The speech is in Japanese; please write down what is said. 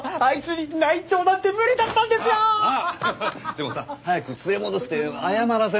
でもさ早く連れ戻して謝らせないと。